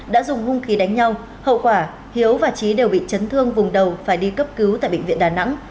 đã dùng hung khí đánh nhau hậu quả hiếu và trí đều bị chấn thương vùng đầu phải đi cấp cứu tại bệnh viện đà nẵng